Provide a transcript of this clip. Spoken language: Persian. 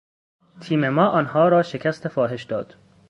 تیم ما آنها را شکست فاحش داد.